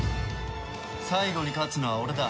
最後に勝つのは俺だ。